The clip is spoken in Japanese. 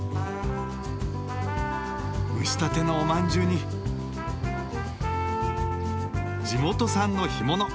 蒸したてのおまんじゅうに地元産の干物！